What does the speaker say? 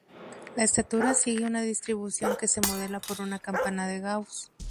La estatura sigue una distribución que se modela por una campana de Gauss.